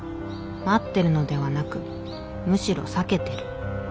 待ってるのではなくむしろ避けてる」